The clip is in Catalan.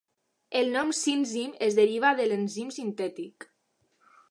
El nom "sinzim" es deriva de l'enzim sintètic.